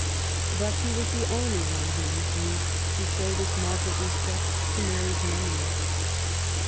But he was the only one who re fused to show this mark of respect to Mary^s memory.